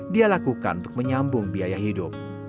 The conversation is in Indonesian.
dia lakukan untuk menyambung biaya hidup